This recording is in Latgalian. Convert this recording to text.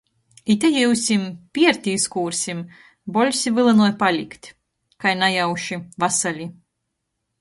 Ite jiusim. Pierti izkūrsim. Bolsi vylynoj palikt. Kai najauši – vasali.